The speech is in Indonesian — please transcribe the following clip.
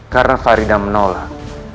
karena faridah menolak